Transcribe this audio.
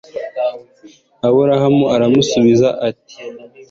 aburahamu aramusubiza ati